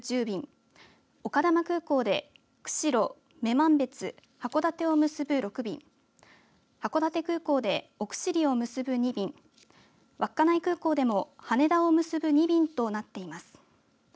便丘珠空港で釧路、女満別、函館を結ぶ６便函館空港で奥尻を結ぶ２便稚内空港でも羽田を結ぶ２便となっています。